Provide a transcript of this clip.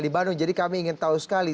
di bandung jadi kami ingin tahu sekali